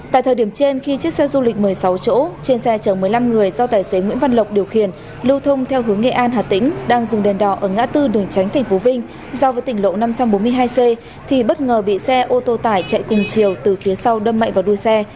tại thời điểm trên khi chiếc xe du lịch một mươi sáu chỗ trên xe chở một mươi năm người do tài xế nguyễn văn lộc điều khiển lưu thông theo hướng nghệ an hà tĩnh đang dừng đèn đỏ ở ngã tư đường tránh tp vinh giao với tỉnh lộ năm trăm bốn mươi hai c thì bất ngờ bị xe ô tô tải chạy cùng chiều từ phía sau đâm mạnh vào đuôi xe